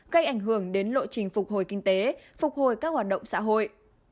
gây ảnh hưởng đến lộ trình phục hồi kinh tế phục hồi các hoạt động xã hội